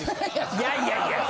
いやいやいや。